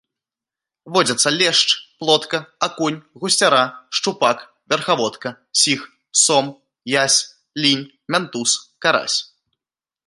Водзяцца лешч, плотка, акунь, гусцяра, шчупак, верхаводка, сіг, сом, язь, лінь, мянтуз, карась.